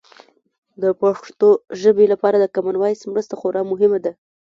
د پښتو ژبې لپاره د کامن وایس مرسته خورا مهمه ده.